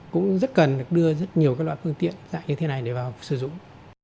cũng rất cần được đưa rất nhiều loại phương tiện dạng như thế này để vào sử dụng